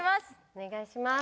お願いします